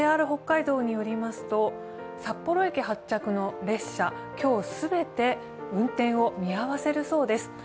ＪＲ北海道によりますと、札幌駅発着の列車、今日、全て運転を見合わせるそうです。